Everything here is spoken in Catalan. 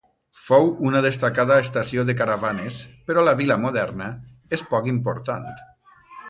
Fou una destacada estació de caravanes però la vila moderna és poc important.